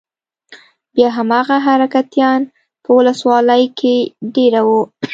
بيا هماغه حرکتيان په ولسوالۍ کښې دېره وو.